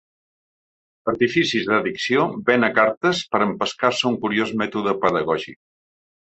Artificis d'addició ven a cartes per empescar-se un curiós mètode pedagògic.